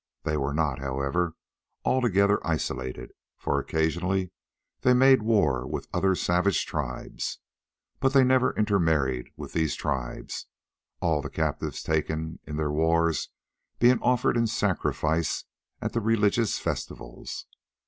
They were not, however, altogether isolated, for occasionally they made war with other savage tribes. But they never intermarried with these tribes, all the captives taken in their wars being offered in sacrifice at the religious festivals.